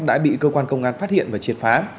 đã bị cơ quan công an phát hiện và triệt phá